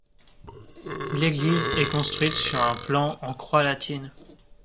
L'église est construite sur un plan en croix latine.